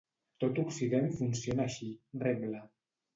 Tot Occident funciona així, rebla.